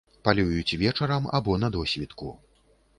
Палююць вечарам або на досвітку.